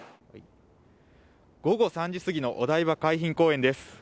午後３時過ぎのお台場海浜公園です。